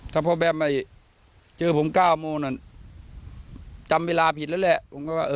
ถ้าพ่อแบมไม่เจอผม๙โมงจำเวลาผิดแล้วแหละ